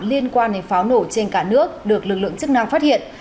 liên quan đến pháo nổ trên cả nước được lực lượng chức năng phát hiện